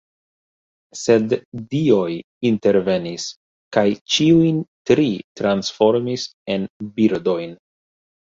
Sed dioj intervenis kaj ĉiujn tri transformis en birdojn.